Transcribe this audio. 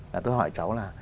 là tôi hỏi cháu là